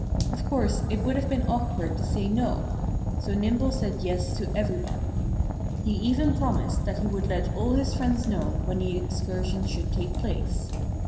Of course it would have been awkward to say no. So Nimble said yes to everybody. He even promised that he would let all his friends know when the excursion should take place.